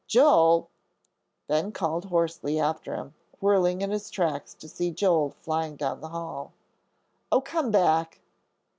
"Joel!" Ben called hoarsely after him, whirling in his tracks to see Joel fly down the hall. "Oh, come back."